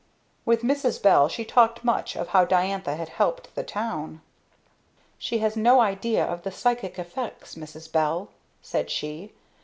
With Mrs. Bell she talked much of how Diantha had helped the town. "She has no idea of the psychic effects, Mrs. Bell," said she.